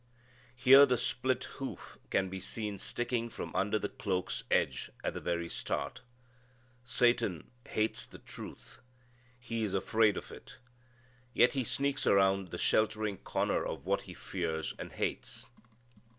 Here the split hoof can be seen sticking from under the cloak's edge at the very start. Satan hates the truth. He is afraid of it. Yet he sneaks around the sheltering corner of what he fears and hates.